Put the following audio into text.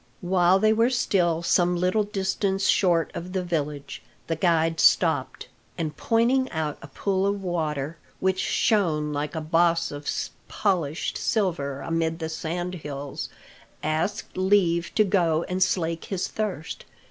While they were still some little distance short of the village, the guide stopped, and pointing out a pool of water which shone like a boss of polished silver amid the sand hills, asked leave to go and slake his thirst.